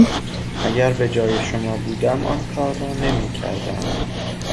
اگر به جای شما بودم آن کار را نمیکردم.